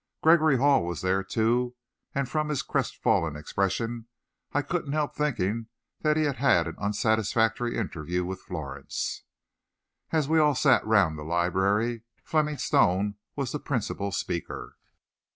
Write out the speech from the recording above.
Gregory Hall was there, too, and from his crestfallen expression, I couldn't help thinking that he had had an unsatisfactory interview with Florence. As we all sat round the library, Fleming Stone was the principal speaker.